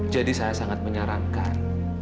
jadi saya sangat menyarankan